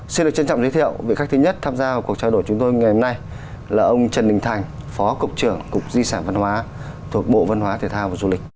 xin được trân trọng giới thiệu vị khách thứ nhất tham gia cuộc trao đổi chúng tôi ngày hôm nay là ông trần đình thành phó cục trưởng cục di sản văn hóa thuộc bộ văn hóa thể thao và du lịch